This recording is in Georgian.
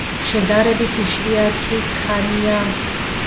შედარებით იშვიათი ქანია.